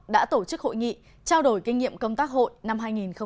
đã tổ chức hội nghị trao đổi kinh nghiệm công tác hội năm hai nghìn một mươi chín